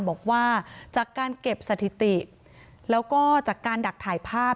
บอกว่าจากการเก็บสถิติแล้วก็จากการดักถ่ายภาพ